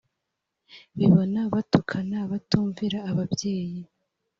bibona batukana batumvira ababyeyi